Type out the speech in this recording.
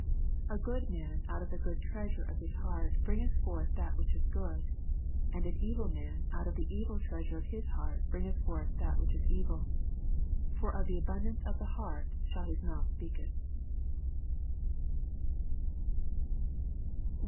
45 A good man oat of the good trea sure of his heart bringeth forth that which is ^ood ; and an evil man out of the evil treasure of his heart^bring eth forth that which is evil : for of the abundance of the heart his mouth speaketh.